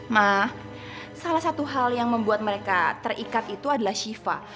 nah salah satu hal yang membuat mereka terikat itu adalah shiva